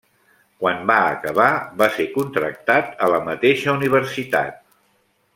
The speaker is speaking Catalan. Quan va acabar, va ser contractat a la mateixa Universitat.